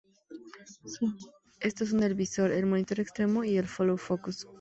Estos son el visor, el monitor externo y el "follow focus".